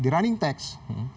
di running text